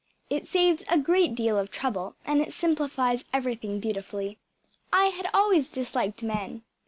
It saves a great deal of trouble and it simplifies everything beautifully. I had always disliked men.